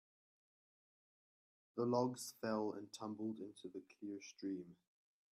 The logs fell and tumbled into the clear stream.